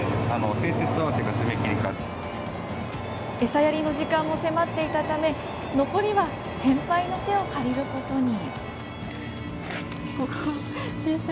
餌やりの時間も迫っていたため残りは先輩の手を借りることに。